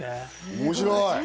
面白い。